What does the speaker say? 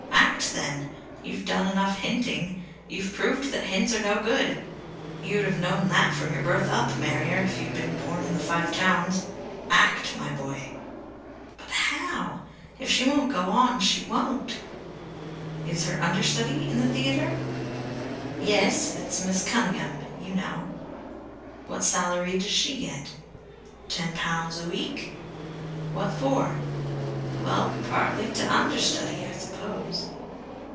Act, then! You've done enough hinting. You've proved that hints are no good. You'd have known that from your birth up, Marrier, if you'd been born in the Five Towns. Act, my boy." "But haow? If she won't go on, she won't." "Is her understudy in the theatre?" "Yes. It's Miss Cunningham, you knaow." "What salary does she get?" "Ten pounds a week." "What for?" "Well partly to understudy, I suppose."